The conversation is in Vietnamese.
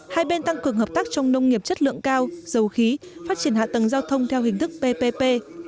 hai bên tăng cường hợp tác trong nông nghiệp chất lượng cao dầu khí phát triển hạ tầng giao thông theo hình thức ppp